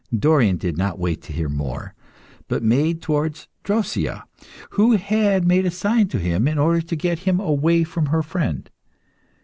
Dorion did not wait to hear more, but made towards Drosea, who had made a sign to him in order to get him away from her friend.